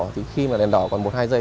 thì khi mà đèn đỏ còn một hai giây